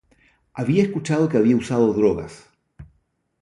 Había escuchado que había usado drogas.